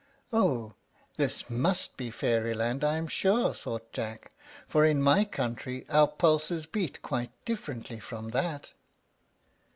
"Oh, this must be Fairyland, I am sure," thought Jack, "for in my country our pulses beat quite differently from that."